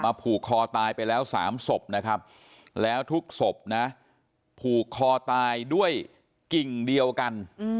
ผูกคอตายไปแล้ว๓ศพนะครับแล้วทุกศพนะผูกคอตายด้วยกิ่งเดียวกัน